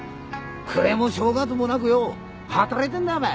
暮れも正月もなくよ働いてんだよお前。